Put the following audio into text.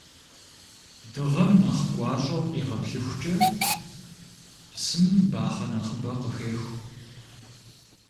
Дыгъэм нэхъ гуащӀэу къигъэплъыхукӀэ, псым бахъэ нэхъыбэ къыхеху.